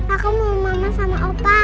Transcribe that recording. aku mau mama sama opa